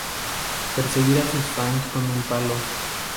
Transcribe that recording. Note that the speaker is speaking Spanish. perseguir a sus fans con un palo